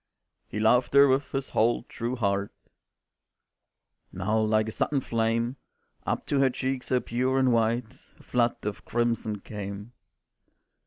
"He loved her with his whole true heart," Now like a sudden flame Up to her cheek so pure and white, A flood of crimson came.